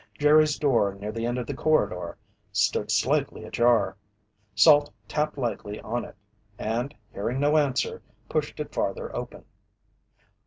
Jerry's door near the end of the corridor stood slightly ajar. Salt tapped lightly on it, and hearing no answer, pushed it farther open.